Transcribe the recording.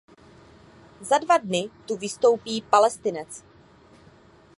Za dva dny tu vystoupí Palestinec.